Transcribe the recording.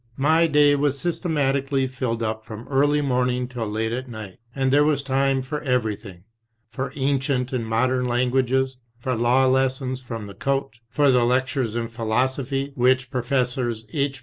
My day was systematically filled up from early morning till late at night, and there was time for everything, for ancient and modem languages, for law lessons with the coach, for the lectures in philosophy which Professors H.